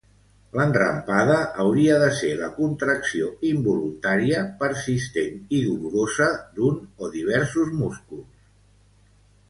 L'enrampada hauria de ser la contracció involuntària, persistent i dolorosa d'un o diversos músculs.